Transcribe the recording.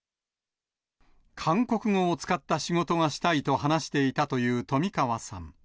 韓国語を使った仕事がしたいと話していたという冨川さん。